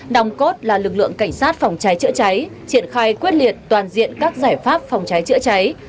đồng cốt là lực lượng cảnh sát phòng cháy chữa cháy triển khai quyết liệt toàn diện các giải pháp phòng cháy chữa cháy